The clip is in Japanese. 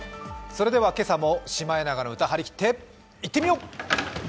それでは今朝も「シマエナガの歌」張り切っていってみよう！